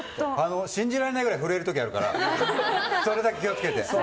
信じられないぐらい震える時あるからそれだけ気を付けて。